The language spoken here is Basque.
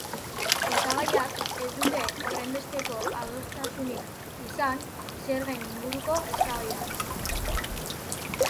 Hautagaiak ez dute horrenbesteko adostasunik izan zergen inguruko eztabaidan.